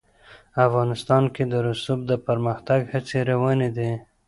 افغانستان کې د رسوب د پرمختګ هڅې روانې دي.